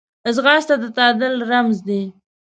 ځغاسته د تعادل رمز دی